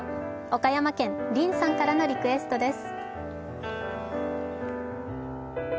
岡山県、りんさんからのリクエストです。